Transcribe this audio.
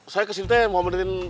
saya kesini mau menderit